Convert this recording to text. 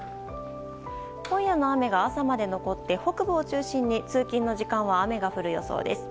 今夜の雨が朝まで残って北部を中心に通勤の時間は雨が降る予想です。